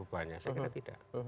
saya kira tidak